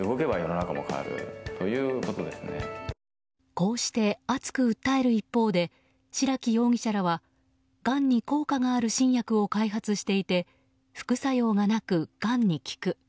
こうして熱く訴える一方で白木容疑者らは、がんに効果がある新薬を開発していて副作用がなく、がんに効く。